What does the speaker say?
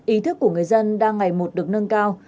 ý thức của người dân đang ngày một được nâng cao